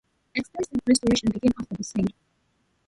Extensive restorations began after the sale.